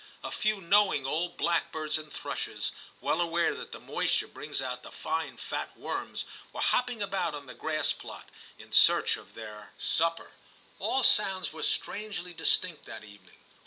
A few knowing old blackbirds and thrushes, well aware that the moisture brings out the fine fat worms, were hopping about on the grass plot in search of their 3o8 TIM CHAP. supper. All sounds were strangely distinct that evening.